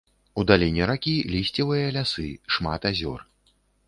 У даліне ракі лісцевыя лясы, шмат азёр.